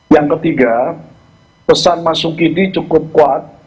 yang ketiga pesan mas sukidi cukup kuat